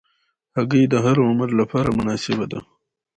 هګۍ د هر عمر لپاره مناسبه ده.